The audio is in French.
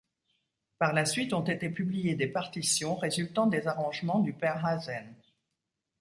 Par la suite ont été publiées des partitions résultant des arrangements du Père Haazen.